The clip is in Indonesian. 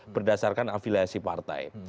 berdasarkan afiliasi partai